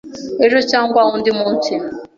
ejo cyangwa undi munsi